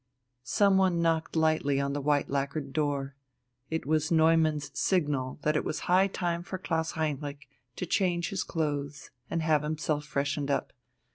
Some one knocked lightly on the white lacquered door. It was Neumann's signal that it was high time for Klaus Heinrich to change his clothes and have himself freshened up.